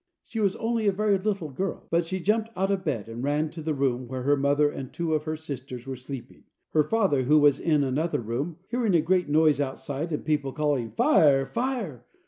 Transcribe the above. She was only a very little girl, but she jumped out of bed, and ran to the room where her mother and two of her sisters were sleeping. Her father, who was in another room, hearing a great noise outside, and people calling "Fire! Fire!"